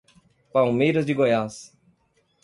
Palmeiras de Goiás